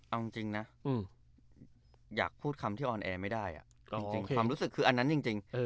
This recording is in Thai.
เอาจริงนะอยากพูดคำที่ออนแอร์ไม่ได้ความรู้สึกคืออันนั้นจริง